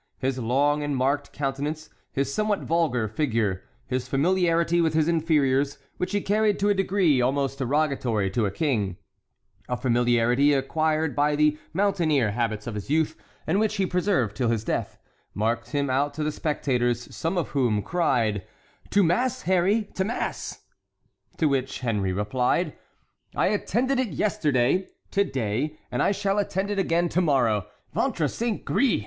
His long and marked countenance, his somewhat vulgar figure, his familiarity with his inferiors, which he carried to a degree almost derogatory to a king,—a familiarity acquired by the mountaineer habits of his youth, and which he preserved till his death,—marked him out to the spectators, some of whom cried: "To mass, Harry, to mass!" To which Henry replied: "I attended it yesterday, to day, and I shall attend it again to morrow. Ventre saint gris!